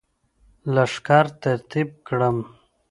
لښکر ترتیب کړم.